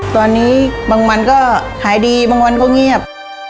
ตอนนี้บางวันก็หายดีบางวันก็เงียบ